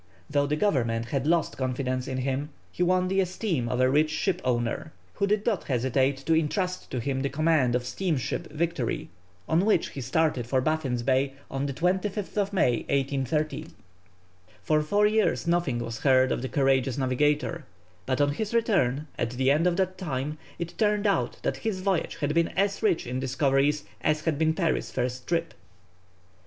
Though the Government had lost confidence in him, he won the esteem of a rich ship owner, who did not hesitate to entrust to him the command of the steamship Victory, on which he started for Baffin's Bay on the 25th May, 1830. For four years nothing was heard of the courageous navigator, but on his return, at the end of that time, it turned out that his voyage had been as rich in discoveries as had been Parry's first trip.